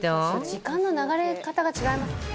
「時間の流れ方が違いますね」